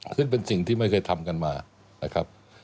ซึ่งเป็นสิ่งที่ไม่เคยทำกันมานะครับ